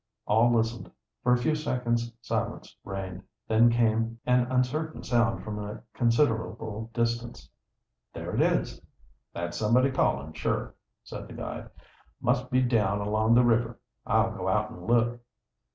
All listened. For a few seconds silence reigned, then came an uncertain sound from a considerable distance. "There it is!" "That's somebody calling, sure," said the guide. "Must be down along the river. I'll go out an' look."